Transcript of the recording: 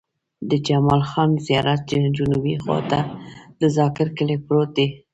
د جمال خان زيارت جنوبي خوا ته د ذاکر کلی پروت دی.